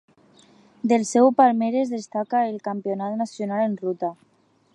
Del seu palmarès destaca el Campionat nacional en ruta.